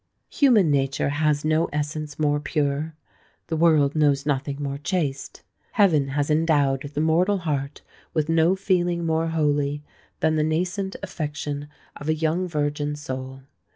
Human nature has no essence more pure,—the world knows nothing more chaste,—heaven has endowed the mortal heart with no feeling more holy, than the nascent affection of a young virgin's soul.